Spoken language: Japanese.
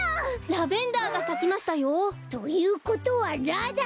ラベンダーがさきましたよ。ということはラだ！